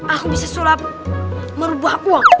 aku bisa sulap merubah uang